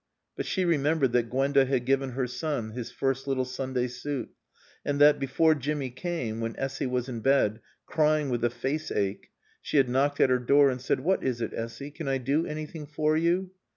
But she remembered that Gwenda had given her son his first little Sunday suit; and that, before Jimmy came, when Essy was in bed, crying with the face ache, she had knocked at her door and said, "What is it, Essy? Can I do anything for you?"